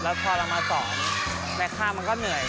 แล้วพอเรามาสอนในค่ามันก็เหนื่อย